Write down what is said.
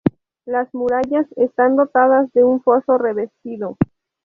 Las murallas están dotadas de un foso revestido.